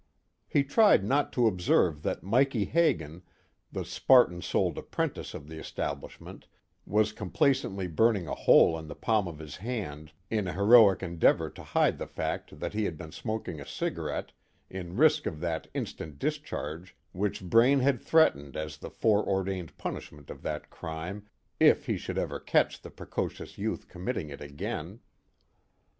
He tried not to observe that Mikey Hagin, the Spartan souled apprentice of the establishment, was complacently burning a hole in the palm of his hand, in a heroic endeavor to hide the fact that he had been smoking a cigarette in risk of that instant discharge which Braine had threatened as the fore ordained punishment of that crime, if he should ever catch the precocious youth committing it again.